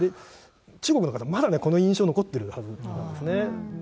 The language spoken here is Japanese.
中国の方、まだこの印象、残ってるはずなんですね。